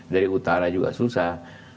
dari utara juga susah